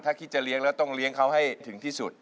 ถ้าคิดจะเลี้ยงแล้วต้องเลี้ยงเขาให้ถึงที่สุด